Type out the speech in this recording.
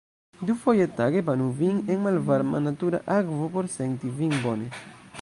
Dufoje tage banu vin en malvarma natura akvo, por senti vin bone.